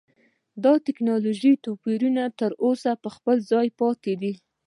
دا ټکنالوژیکي توپیرونه تر اوسه په خپل ځای پاتې دي.